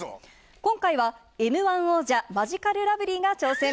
今回は、Ｍー１王者、マヂカルラブリーが挑戦。